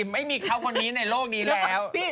ไม่มีเขาคนนี้ในโลกนี้แล้ว